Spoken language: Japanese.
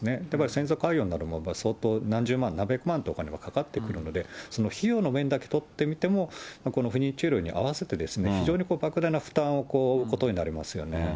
先祖解怨なども相当何十万、何百万とお金はかかってくるので、その費用の面だけとってみても、この不妊治療に合わせて、非常にばく大な負担を負うことになりますよね。